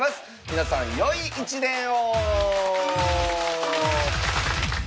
皆さんよい一年を！